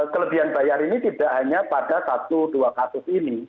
kelebihan bayar ini tidak hanya pada satu dua kasus ini